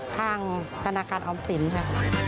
ทางธนาคารออมสินค่ะ